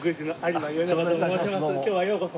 今日はようこそ。